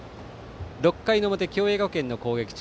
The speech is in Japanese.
６回の表、共栄学園の攻撃中。